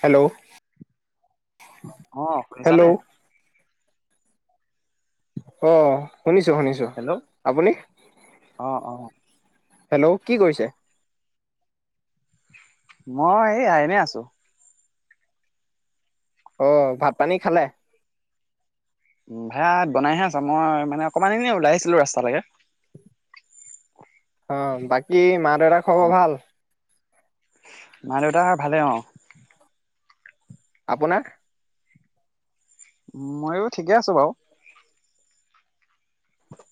Hello অ' hello শুনিছানে? অ' শুনিছোঁ শুনিছোঁ, হেল্ল' আপুনি? অ অ হেল্ল' কি কৰিছে? মই এইয়া এনেই আছোঁ। অহ ভাত পানী খালে? ভাই বনাইহে আছোঁ, মই মানে অকণমান এনে উলাইছিলো ৰাস্তালৈকে। অ', বাকী মাত দেউতাৰ অ খবৰ ভাল? মা দেউতা ভালে অ'। আপোনাৰ? ময়ো ঠিকে আছোঁ বাৰু।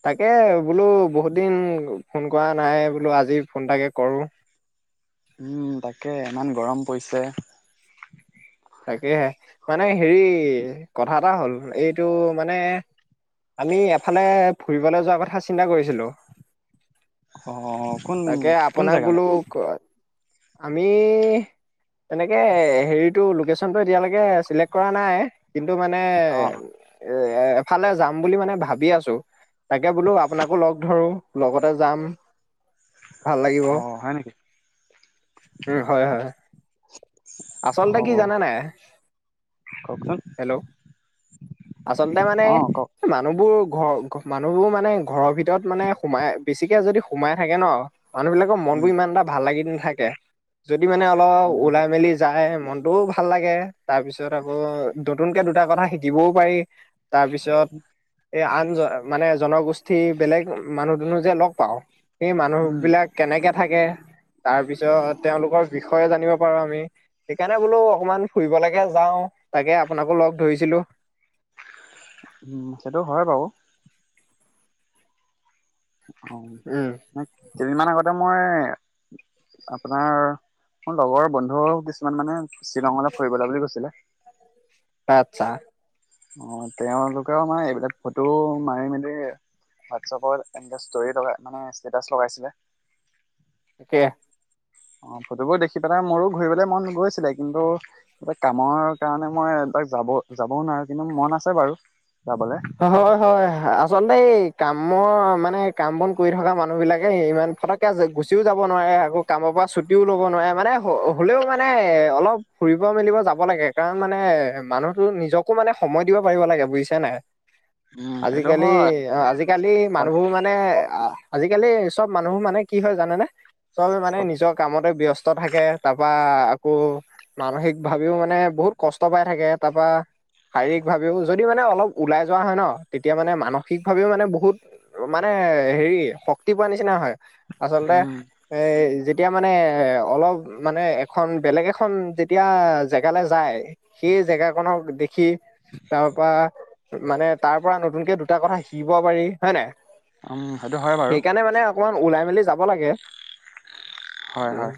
তাকে বোলো বহুত দিন, ফোন কৰা নাই বোলো আজি ফোন তাকে কৰোঁ। উম, তাকে ইমান গৰম পৰিছে। তাকেহে মানে হেৰি কথা এটা হ'ল, এইটো মানে আমি এফালে ফুৰিবলৈ যোৱাৰ কথা চিন্তা কৰিছিলোঁ। অ কোন তাকে কোন আপোনাক জেগালে বোলো ক আমি তেনেকে হেৰিত টো লোকেশ্যনটো এতিয়ালৈকে চিলেক্ট কৰা নাই কিন মানে অ এ এফালে যাম বুলি মানে ভাবি আছোঁ। তাকে বোলো আপোনাকো লগ ধৰোঁ। লগতে যাম। ভাল লাগিব। অ হয় নেকি উ, হয় হয়। আচলতে অ কি জানানে? কওকচোন হেল্ল' আচলতে মানে অ কওক মানুহবোৰ ঘৰ মানুহবোৰ মানে ঘৰৰ ভিতৰত মানে সোমাই বেছিকে যদি সোমাই থাকে ন' মানুহবিলাকৰ উম মনবোৰ ইমান এটা ভাল লাগি নাথাকে। যদি মানে অলপ উম ওলাই মেলি [unintelligible] মনটোও ভাল লাগে। তাৰপিছত আকৌ নতুনকে দুটা কথা শিকিবও পাৰি। তাৰপিছত এই আন জ-মানে জনগোষ উঠি বেলেগ মানুহ দুনো যে লগ পাওঁ সেই মানুহবিলাক কেনেকে থাকে তাৰপিছত তেওঁলোকৰ বিষয়ে জানিব পাৰো আমি। সেইকাৰণে বোলো অকনমান ফুৰিবলৈকে যাও। তাকে আপোনাকো লগ ধৰিছিলোঁ। উম, সেইটো হয় বাৰু। অ', উম ম কেইদিনমান আগতে মই আপোনাৰ মোৰ লগৰ বন্ধু কিছুমান মানে শ্বিলঙলৈ ফুৰিবলৈ বুলি গৈছিলে। আচ্ছা। অ', তেওঁলোকেও মানে এইবিলাক ফটো মাৰি মেলি হোৱাটছপত এনে ষ্টৰি লগাই মানে ষ্টেটাচ লগাইছিলে। তাকে অ' ফটোবোৰ দেখি পেলাই মোৰো ঘূৰিবলে মন গৈছিলে। কিন্তু, এই কামৰ কাৰণে মই এই তাক যাব, যাবও নোৱাৰো কিন্তু, মন আছে বাৰু। যাবলে হয়, হয় আচলতেই কামৰ মানে কাম বন কৰি থকা মানুহ বিলাকে ইমান ফটকে গুচিও যাব নোৱাৰে আকৌ কামৰ পৰা ছুটিও লব নোৱাৰে মানে হলেও মানে অলপ ফুৰিব মেলিব যাব লাগে কাৰণ মানে মানুহতো নিজকো মানে সময় দিব পাৰিব লাগে বুজিছা নে নাই? উম সেইটো আজিকালি হয় আজিকালি সদায় মানুহবোৰ মানে, আজিকালি চব মানুহ বোৰ মানে কি হয় জানেনে? চব মানে নিজৰ কামতে ব্যস্ত থাকে তাৰপা আকৌ, মানসিক ভাৱেও মানে বহুত কষ্ট পাই থাকে। তাৰপা, শাৰীৰিক ভাৱেও যদি মানে অলপ ওলাই যোৱা হয় ন! তেতিয়া মানে মানসিক ভাৱেও মানে বহুত মানে হেৰি, শক্তি পোৱা নিচিনা হয়। আচলতে উম এ যি এতিয়া মানে এ অলপ মানে, এখন বেলেগ এখন যেতিয়া জেগালৈ যায়। সেই জেগাখননক দেখি তাৰপৰা, মানে তাৰ পৰা নতুনকে দুটা কথা শিকিব পাৰি, হয়ে নাই? সেইটো হয় বাৰু। সেইকাৰণে মানে অকমান ওলাই মেলি যাব লাগে। হয় অ' হয়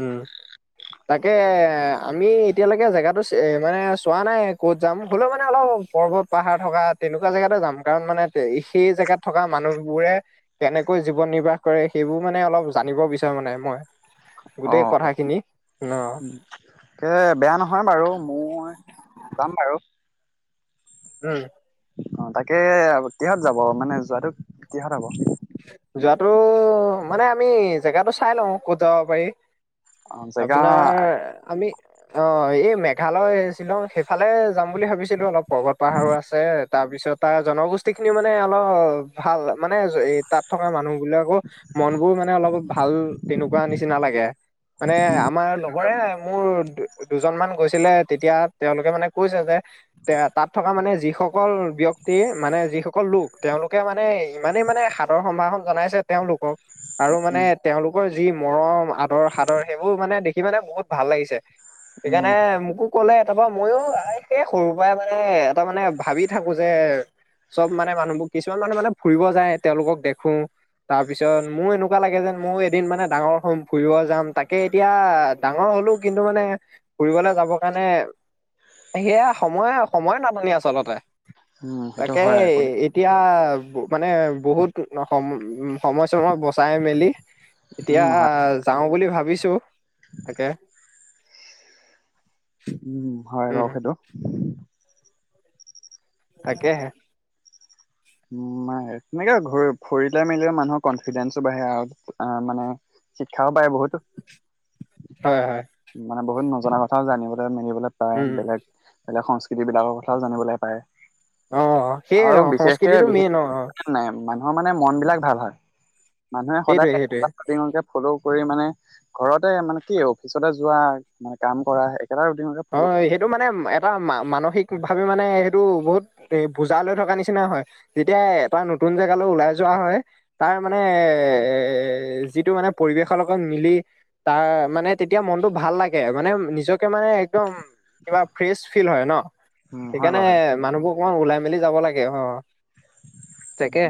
উম। তাকে আমি এতিয়ালৈকে জেগাতটো মানে চোৱা নাই ক'ত যাম, হ'লেও মানে অলপ পৰ্বত পাহাৰ থকা তেনেকুৱা জেগাতে যাম। কাৰণ, মানে সেই জেগাত থকা মানুহবোৰে কেনেকৈ জীৱন নিৰ্বাহ কৰে সেইবোৰ মানে অলপ জানিব বিচাৰো মানে মই। গোটেই অ' কথাখিনি। অ', তাকে বেয়া নহয় বাৰু মই যাম বাৰু। উম। অ', তাকে কিহঁত যাব মানে যোৱাটো কিহঁত হ'ব? যোৱাটো মানে আমি জেগাটো চাই লওঁ ক'ত যাব পাৰি। অ জেগা আপোনাৰ আমি অ', এই মেঘালয় শ্বিলং সেইফালে যাম বুলি ভাবিছিলো অলপ। পৰ্বত পাহাৰো আছে। তাৰপিছত তাৰ জনগোষ্ঠীখিনি মানে অলপ ভাল মানে এ তাত থকা মানুহবিলাকো মনবোৰ মানে অলপ ভাল তেনেকুৱা নিচিনা লাগে। মানে উম আমাৰ লগৰে মোৰ দুজনমান গৈছিলে তেতিয়া তেওঁলোকে মানে কৈছে যে তে তাত থকা মানে যিসকল ব্যক্তি মানে যিসকল লোক তেওঁলোকে মানে ইমানেই মানে শা ৰ সম্ভাসন জনাইছে তেওঁলোকক। আৰু মানে উম তেওঁলোকৰ যি মৰম, আদৰ, সাদৰ সেইবোৰ মানে দেখি মানে বহুত ভাল লাগিছে। উম সেইকাৰণে মোকো ক'লে তাৰপৰা ময়ো সেই সৰুৰ পৰাই মানে এটা মানে ভাবি থাকো যে চব মানে মানুহবোৰ কিছুমান মানুহ মানে ফুৰিব যায় তেওঁলোকক দেখো তাৰপিছত মোৰ এনেকুৱা লাগে যেন ময়ো এদিন মানে ডাঙৰ হম, ফুৰিব যাম। তাকে এতিয়া ডাঙৰ হ'লো কিন্তু মানে ফুৰিবলৈ যাবৰ কাৰণে সেয়া সময় সময়ে নাটনি আচলতে। উম সেইটো তাকে হয় আকৌ দেই এতিয়া মানে বহুত সময় চময় বচাই মেলি এতিয়া উম হয় যাও বুলি ভাবিছো তাকে উম হয় উম বাৰু সেইটো তাকেহে উ ম তেনেকেৰি ফুৰিলোই মেলিলে মানুহৰ কনফিডেন্ঞ্চো বাঢ়ে আৰু মানে শিক্ষাও বাঢে বহুতো হয় হয় মানে বহুত মজ না কথা জানিবিব [inaudible] পায় উম বেলেগ সংস্কৃতি বিলাকৰ কথাও জানিবলৈ পায়। অ আৰু সেইয়ে সংস্কৃতি- টো মেইন- নহয় মানে মন বিলাক ভাল হয়। মানুহে সেইটোৱে সদায়কে সেইটোৱে ফ'ল' কৰি মানে- ঘৰতে মানে কি অফিচতে যোৱা মানে কাম কৰা- একেটা ৰুটিনতে অ ফ'ল' 'সেইটো মানে এটা মানসিক- ভাবে মানে সেইটো বহুত এ বুজা লৈ থকা নিচিনা হয়, যেতিয়া এটা নতুন জেগালৈ ওলাই যোৱা হয় তাৰ মানে এ যিটো মানে পৰিৱেশৰ লগত মিলি তাৰ মানে তেতিয়া মনতটো ভাল লাগে মানে নিজকে মানে- দম। [unintelligible] কিবা ফ্ৰেচ ফিল হয় ন। উম, হয় সেইকাৰণে বাৰু সেইটো। মানুহবোৰ- অকমান ওলাই মেলি যাব লাগে অ- তাকে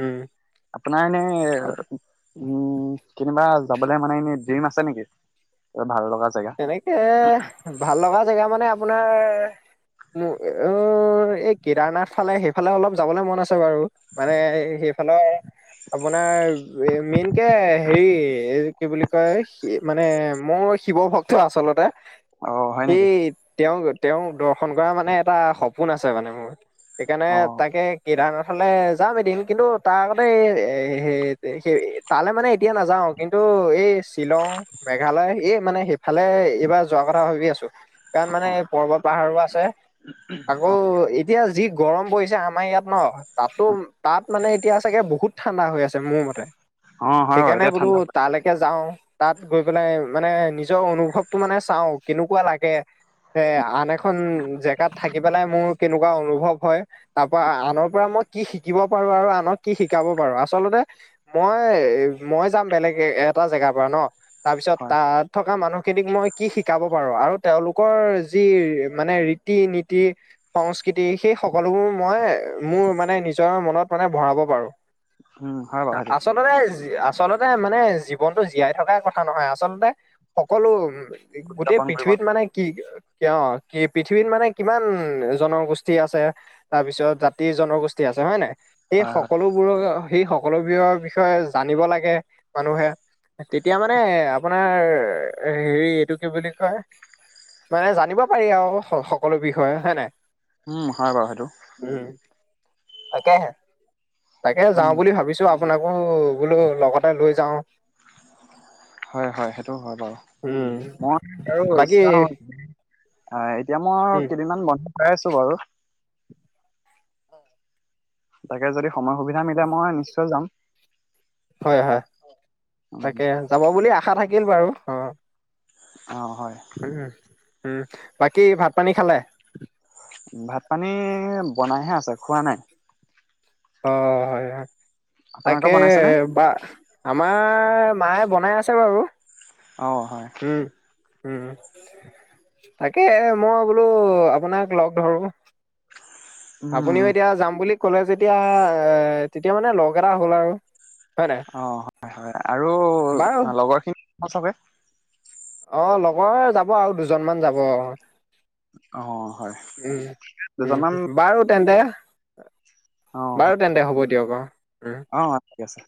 উম আপোনাৰ এনে উম কেনিবা- যাবলে মানে এনেই জিম আছে নেকি? ভাল লগা জেগা? তেনেকে ভাল লগা জেগা মানে- আপোনাৰ এই কেদাৰনাথ ফালে সেইফালে অলপ যাবলৈ মন আছে বাৰু মানে সেইফালৰ আপোনাৰ মেইনকে হেৰি কি বুলি কয় মানে মোৰ শিৱ ভক্ত- আচলতে- অ হয় সেই নেকি তেওঁ গত- তেওঁ দৰ্শন কৰা মানে এটা সপোন আছে মানে মোৰ। সেইকাৰণে অ তাকে কেদাৰনাথ - ফালে যাম এদিন কিন্তু তাৰ আগতে এই সেই তালৈ মানে এতিয়া নাযাওঁ কিন্তু এই শ্বিলং মেঘালয় এই মানে সেই- ফালে এইবাৰ যোৱা কথা ভাবি আছো। কাৰণ মানে পৰ্বত- পাহাৰো আছে। উ, উ, আকৌ অ। এতিয়া যি গৰম পৰিছে আম আমাৰ ইয়াত ন' তাতো তাত মানে এতিয়া চাগে বহুত ঠাণ্ডাহৈ আছে মোৰ মতে অ হয় বাৰু সেইকাৰণে এতিয়া বোলো ঠাণ্ডা পৰে তালেকে যাওঁ। তাত গৈ পেলাই মানে নি নিজৰ অনুভৱটো মানে চাওঁ কেনেকুৱা লাগে, এ, আনএখন জেগাত থাকি পেলাই মোৰ কেনেকুৱা অনুভৱ হয়, তাৰ পৰা আনৰ পৰা মই কি শিকিব পাৰোঁ আৰু আনক কি শিকাব পাৰোঁ, আচলতে মই, মই যাম বেলেগ এটা জেগাৰ পৰা ন। তাৰপিছত, হয় তাত মানুহখিনিক মই কি শিকাব পাৰোঁ, আৰু তেওঁলোকৰ যি মানে ৰীতি, নীতি, সংস্কৃতি সেই সকলোবোৰ মই মোৰ মানে নিজৰ মনত মানে ভৰাব পাৰোঁ। উম হয় বাৰু সেইটো আচলতে আচলতে মানে জীৱনটো জীয়াই থকাই কথা নহয়, আচলতে সকলো উম, গোটেই উদযাপন কৰিব পৃথিৱীত লাগে মানে কি কিয়, কি, পৃথিৱীত মানে কিমান জনগোষ্ঠী আছে? তাৰপিছত জাতি, জনগোষ্ঠী আছে, হয়, নাই? এই হয় হয় সকলোবোৰৰ সেই সকলো বোৰৰ বিষয়ে জানিব লাগে মানুহে। তেতিয়া মানে‌ [unintelligible] [unintelligible] হেৰি এইটো কি বুলি কয়, মানে জানিব পাৰি আৰু সকলো বিষয়ে হয়, নাই? উম, হয়, বাৰু সেইটো। উম তাকেহে। তাকে যাওঁ উম বুলি ভাবিছো আৰু। আপোনাকো বোলো লগতে লৈ যাওঁ। হয়, হয়, হয়। সেইটো হয় বাৰু উম মই বাৰু বাকী চাওঁ এতিয়া মই উম, কেইদিনমান বন্ চাই আছোঁ বাৰু। তাকে যদি সময় সুবিধা মিলে মই নিশ্চয় যাম। হয়, হয় উম তাকে যাব বুলি আশা থাক কিল বাৰু, অহ। অ হয় উম। উম, বাকী ভাত পানী খালে? ভাত পানী বনাইহে আছে, খোৱা নাই। অহ, হয়, হয়। আপোনালোকৰ তাকে বনাইছেনে বা আমাৰ মায়ে বনাই আছে বাৰু। অহ, হয়। উম, উম, তাকে মই বোলো আপোনাক লগ ধৰো। আপুনিও উম এতিয়া যাম বুলি ক'লে যেতিয়া এ তেতিয়া মানে লগ এটা হ'ল আৰু। হয় নাই অ', হয়, হয় আৰু বাৰু লগৰখিন [unintelligible] অ', লগৰ যাব আৰু দুজনমান যাব। উম, অ হয় দুজনমান উম বাৰু তেন্তে [unintelligible] অ বাৰু তেন্তে হ'ব [unintelligible] অ', ঠিক আছে।